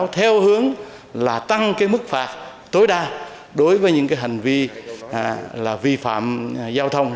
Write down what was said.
theo hướng là tăng cái mức phạt tối đa đối với những cái hành vi vi phạm giao thông